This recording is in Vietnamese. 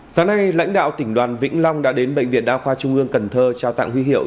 sáng nay lãnh đạo tỉnh đoàn vĩnh long đã đến bệnh viện đa khoa trung ương cần thơ trao tặng huy hiệu